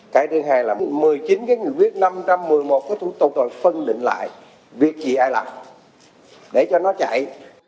cái thứ hai là một mươi chín cái nghị quyết năm trăm một mươi một cái thủ tục rồi phân định lại việc gì ai làm để cho nó chạy